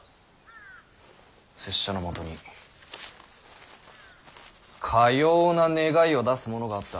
拙者のもとにかような願いを出すものがあった。